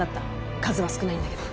数は少ないんだけど。